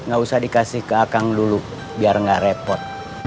gak usah dikasih ke akang dulu biar nggak repot